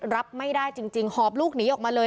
รับไม่ได้จริงหอบลูกหนีออกมาเลย